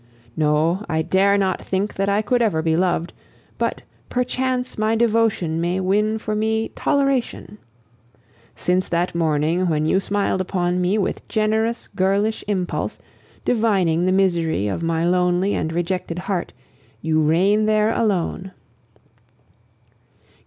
"No, I dare not think that I could ever be loved; but perchance my devotion may win for me toleration. Since that morning when you smiled upon me with generous girlish impulse, divining the misery of my lonely and rejected heart, you reign there alone.